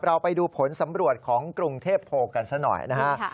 เราไปดูผลสำรวจของกรุงเทพโพลกันซะหน่อยนะฮะ